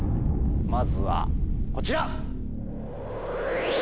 まずはこちら！